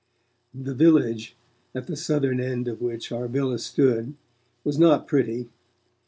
The village, at the southern end of which our villa stood, was not pretty.